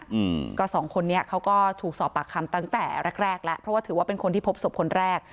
อืมก็สองคนนี้เขาก็ถูกสอบปากคำตั้งแต่แรกแรกแล้วเพราะว่าถือว่าเป็นคนที่พบศพคนแรก